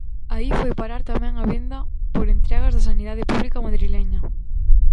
Aí foi parar tamén a venda por entregas da sanidade pública madrileña.